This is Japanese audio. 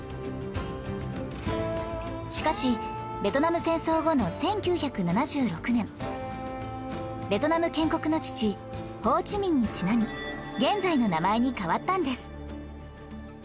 しかしベトナム戦争後の１９７６年ベトナム建国の父ホー・チ・ミンにちなみ現在の名前に変わったんです